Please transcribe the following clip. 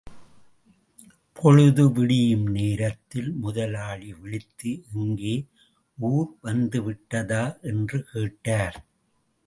பொழுது விடியும் நேரத்தில் முதலாளி விழித்து, எங்கே ஊர் வந்துவிட்டதா? என்று கேட்டார்.